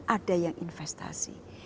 ada yang investasi